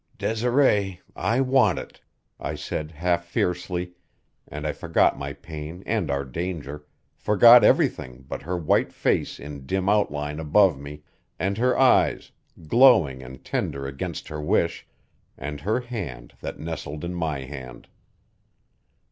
"Desiree I want it," I said half fiercely, and I forgot my pain and our danger forgot everything but her white face in dim outline above me, and her eyes, glowing and tender against her wish, and her hand that nestled in my hand.